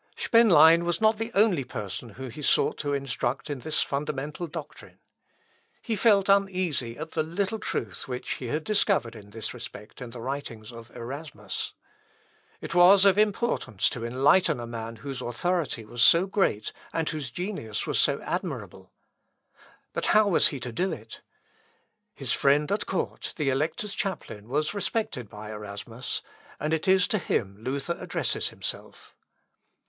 Spenlein was not the only person whom he sought to instruct in this fundamental doctrine. He felt uneasy at the little truth which he discovered in this respect in the writings of Erasmus. It was of importance to enlighten a man whose authority was so great, and whose genius was so admirable. But how was he to do it? His friend at court, the elector's chaplain, was respected by Erasmus; and it is to him Luther addresses himself.